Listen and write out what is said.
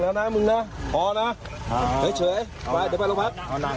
ไปทำกันทำไมอ่ะมีเรื่องอะไรบ้าง